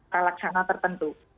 salah sama tertentu